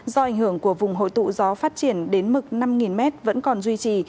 do ảnh hưởng của vùng hội tụ gió phát triển đến mực năm m vẫn còn duy trì